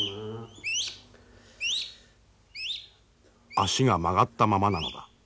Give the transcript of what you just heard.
足が曲がったままなのだ。